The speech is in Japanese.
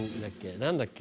何だっけ？